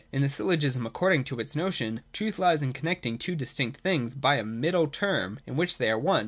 In the syllogism, according to its notion, truth lies in connecting two distinct things by a Middle Term in which they are one.